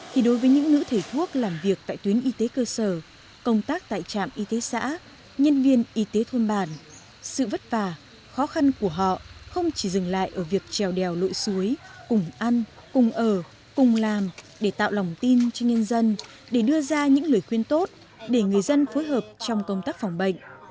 khi đối với những nữ thể thuốc làm việc tại tuyến y tế cơ sở công tác tại trạm y tế xã nhân viên y tế thôn bản sự vất vả khó khăn của họ không chỉ dừng lại ở việc trèo đèo lội suối cùng ăn cùng ở cùng làm để tạo lòng tin cho nhân dân để đưa ra những lời khuyên tốt để người dân phối hợp trong công tác phòng bệnh